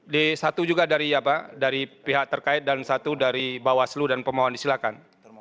di satu juga dari pihak terkait dan satu dari bawah selu dan pemohon silakan